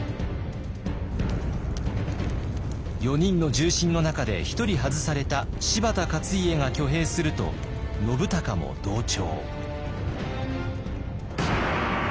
４人の重臣の中で１人外された柴田勝家が挙兵すると信孝も同調。